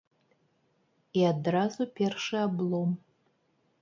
І адразу першы аблом.